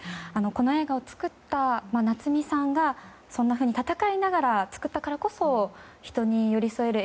この映画を作った夏実さんがそんなふうに闘いながら作ったからこそ人に寄り添える